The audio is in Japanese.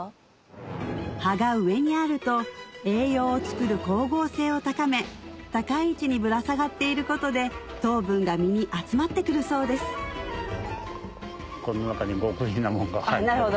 葉が上にあると栄養を作る光合成を高め高い位置にぶら下がっていることで糖分が実に集まって来るそうですなるほど。